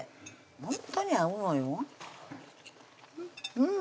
ほんとに合うのようん！